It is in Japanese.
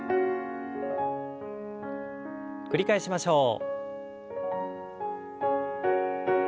繰り返しましょう。